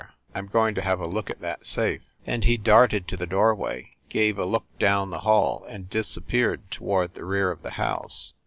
I m going to have a look at that safe !" And he darted to the doorway, gave a look down the hall, and disappeared toward the rear of the house.